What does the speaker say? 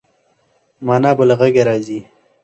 مانا به له غږه راځي.